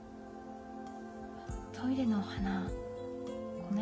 トイレのお花ごめんね。